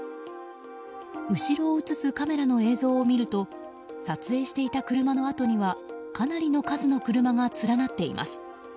後ろを映すカメラの映像を見ると撮影していた車のあとにはかなりの数の車が連なっています。